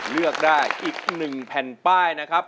เลือกได้อีก๑แผ่นป้ายนะครับ